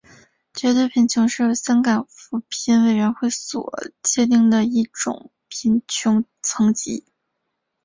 绝对贫穷是由香港扶贫委员会所界定的一种贫穷层级。